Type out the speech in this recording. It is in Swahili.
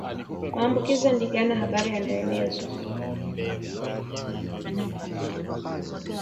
maambukizi ya ndigana bari yanavyoenezwa